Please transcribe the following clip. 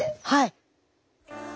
はい。